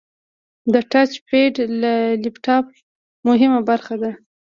د ټچ پیډ د لپټاپ مهمه برخه ده.